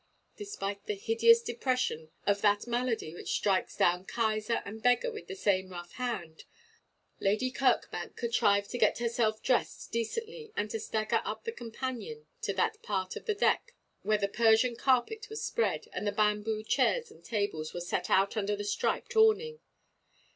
Despite the hideous depression of that malady which strikes down Kaiser and beggar with the same rough hand, Lady Kirkbank contrived to get herself dressed decently, and to stagger up the companion to that part of the deck where the Persian carpet was spread, and the bamboo chairs and tables were set out under the striped awning.